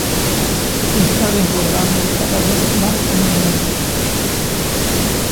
Se está desbordando cada vez más a menudo.